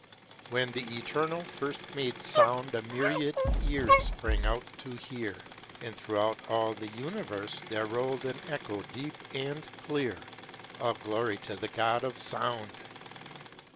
When the Eternal first made Sound A myriad ears sprang out to hear, And throughout all the Universe There rolled an echo deep and clear: All glory to the God of Sound!